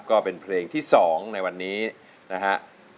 ก็เป็นเพลงที่๒ในวันนี้นะฮะ